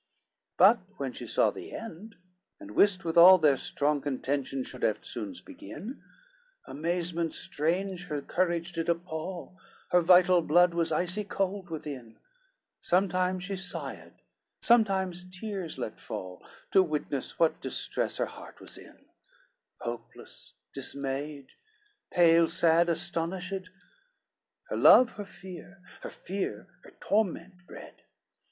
LXIV But when she saw the end, and wist withal Their strong contention should eftsoons begin, Amazement strange her courage did appal, Her vital blood was icy cold within; Sometimes she sighed, sometimes tears let fall, To witness what distress her heart was in; Hopeless, dismayed, pale, sad, astonished, Her love, her fear; her fear, her torment bred.